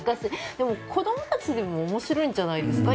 今の子供たちでも面白いんじゃないですか。